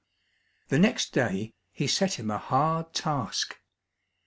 The next day he set him a hard task.